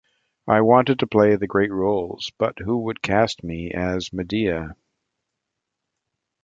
I wanted to play the great roles but who would cast me as Medea?